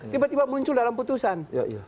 tiba tiba muncul dalam putusan